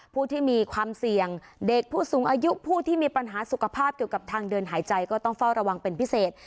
ผู้ที่มีความเสี่ยงเด็กผู้สูงอายุผู้ที่มีปัญหาสุขภาพเกี่ยวกับทางเดินหายใจก็ต้องเฝ้าระวังเป็นพิเศษ